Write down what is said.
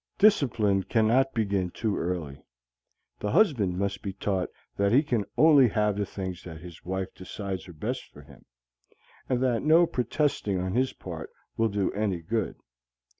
Discipline cannot begin too early. The husband must be taught that he can only have the things that his wife decides are best for him, and that no protesting on his part will do any good.